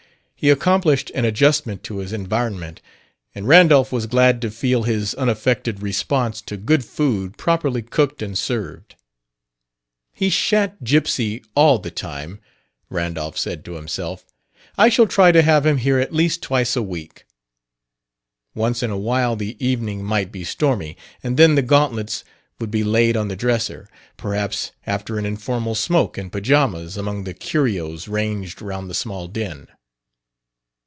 He accomplished an adjustment to his environment, and Randolph was glad to feel his unaffected response to good food properly cooked and served. "He sha'n't gipsy all the time," Randolph said to himself. "I shall try to have him here at least twice a week." Once in a while the evening might be stormy, and then the gauntlets would be laid on the dresser perhaps after an informal smoke in pajamas among the curios ranged round the small den.